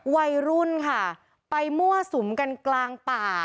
วัยรุ่นค่ะไปมั่วสุมกันกลางป่า